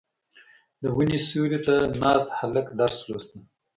• د ونې سیوري ته ناست هلک درس لوسته.